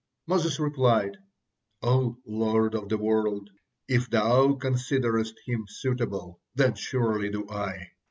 Moses replied: "O Lord of the world! If Thou considerest him suitable, then surely do I!"